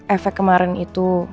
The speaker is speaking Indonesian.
efek kemarin itu